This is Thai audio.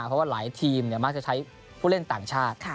เพราะว่าหลายทีมมักจะใช้ผู้เล่นต่างชาติ